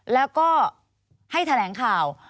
แล้วก็ให้แถลงข่าว